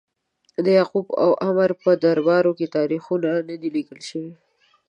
د یعقوب او عمرو په دربارونو کې تاریخونه نه دي لیکل شوي.